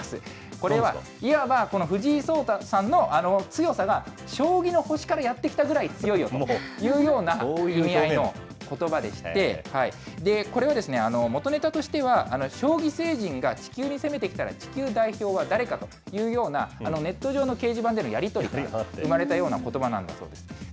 これは、いわばこの藤井聡太さんの強さが、将棋の星からやって来たぐらい強いよというような意味合いのことばでして、これは、元ネタとしては、将棋星人が地球に攻めてきたら地球代表は誰かというようなネット上の掲示板でのやり取りから生まれたことばなんだそうです。